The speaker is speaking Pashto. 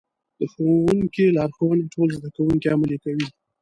د ښوونکي لارښوونې ټول زده کوونکي عملي کوي.